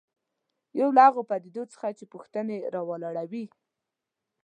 یو له هغو پدیدو څخه چې پوښتنې راولاړوي.